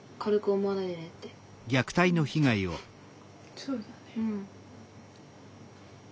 そうだね。